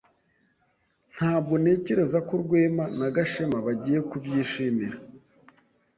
Ntabwo ntekereza ko Rwema na Gashema bagiye kubyishimira.